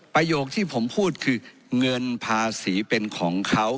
ประโยคที่ผมพูดคือเงินภาษีเป็นของเขา